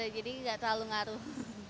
jadi nggak terlalu ngaruh